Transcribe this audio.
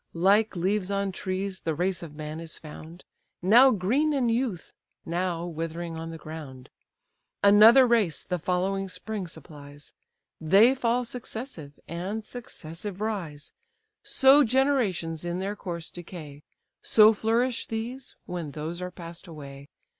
Like leaves on trees the race of man is found, Now green in youth, now withering on the ground; Another race the following spring supplies; They fall successive, and successive rise: So generations in their course decay; So flourish these, when those are pass'd away.